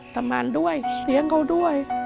ทำงานด้วยเลี้ยงเขาด้วย